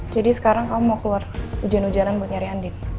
jadi sekarang kamu mau keluar ujian ujaran buat nyari andin